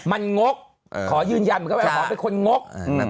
มันงกขอยืนยันเหมือนกันว่าหมอเป็นคนงก